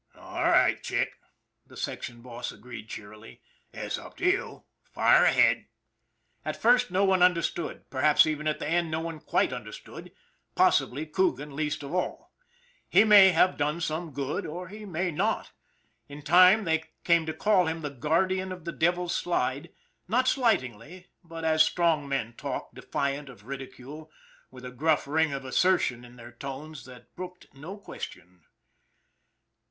" All right, Chick," the section boss agreed cheerily. " It's up to you. Fire ahead." At first no one understood, perhaps even at the end no one quite understood possibly Coogan least of all. He may have done some good or he may not. In time they came to call him the Guardian of the Devil's Slide not slightingly, but as strong men talk, defiant of ridicule, with a gruff ring of assertion in their tones that brooked no question.